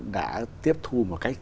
đã tiếp thu một cách